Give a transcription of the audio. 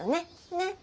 ねっ？